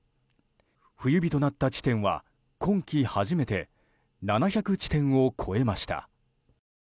冬日となった地点は今季初めて７００地点を超えました。